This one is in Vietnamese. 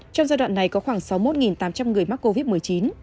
trong giai đoạn này có khoảng sáu mươi một tám trăm linh người mắc covid một mươi chín